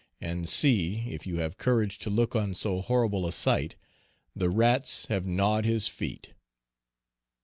And see, if you have courage to look on so horrible a sight, the rats have gnawed his feet!